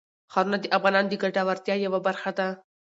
ښارونه د افغانانو د ګټورتیا یوه برخه ده.